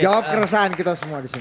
jawab keresahan kita semua di sini